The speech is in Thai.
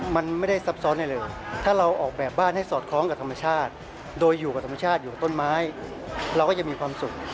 มันไม่ได้ซับซ้อนอะไรเลยถ้าเราออกแบบบ้านให้สอดคล้องกับธรรมชาติโดยอยู่กับธรรมชาติอยู่กับต้นไม้เราก็จะมีความสุข